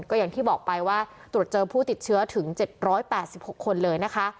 ก็อย่างที่บอกไปว่าตรวจเจอผู้ติดเชื้อถึงเจ็ดร้อยแปดสิบหกคนเลยนะคะ